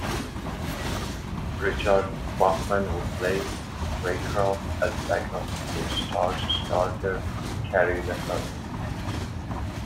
Richard Bachman replaced Raycroft as backup to the Stars starter Kari Lehtonen.